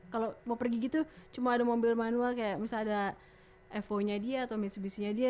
kalau mau pergi gitu cuma ada mobil manual kayak misalnya ada evo nya dia atau mitsubishi nya dia